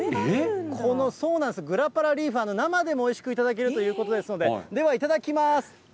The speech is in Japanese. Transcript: このグラパラリーフは生でもおいしく頂けるということですので、ではいただきます。